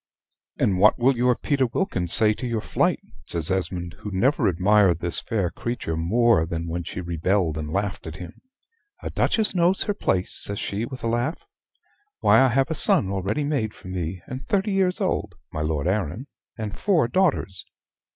"And what will your Peter Wilkins say to your flight?" says Esmond, who never admired this fair creature more than when she rebelled and laughed at him. "A duchess knows her place," says she, with a laugh. "Why, I have a son already made for me, and thirty years old (my Lord Arran), and four daughters.